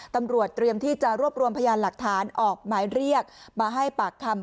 เตรียมที่จะรวบรวมพยานหลักฐานออกหมายเรียกมาให้ปากคำ